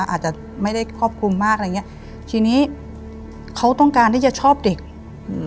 อาจจะไม่ได้ครอบคลุมมากอะไรอย่างเงี้ยทีนี้เขาต้องการที่จะชอบเด็กอืม